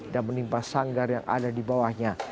dan menimpa sanggar yang ada di bawahnya